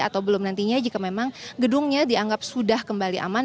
atau belum nantinya jika memang gedungnya dianggap sudah kembali aman